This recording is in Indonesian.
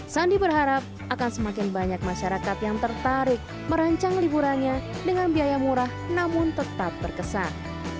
sandi berharap akan semakin banyak masyarakat yang tertarik merancang liburannya dengan biaya murah namun tetap berkesan